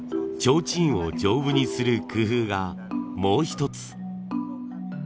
ちょうちんを丈夫にする工夫がもう一つ。